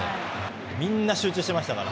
みんな集中してましたから。